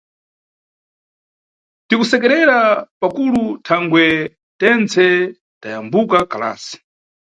Tikusekerera pakulu thangwe tentse tayambuka kalasi.